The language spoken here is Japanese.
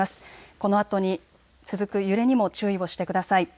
このあとに続く揺れにも注意をしてください。